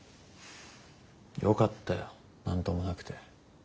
よかったよ何ともなくて。